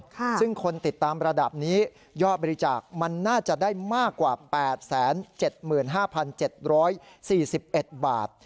ค่ะซึ่งคนติดตามระดับนี้ยอดบริจาคมันน่าจะได้มากกว่าแปดแสนเจ็ดหมื่นห้าพันเจ็ดร้อยสี่สิบเอ็ดบาท